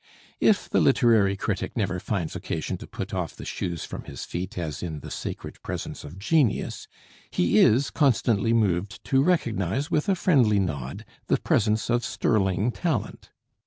If the literary critic never finds occasion to put off the shoes from his feet as in the sacred presence of genius, he is constantly moved to recognize with a friendly nod the presence of sterling talent.